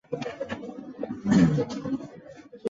而往标茶车站方向的路线仍然存在。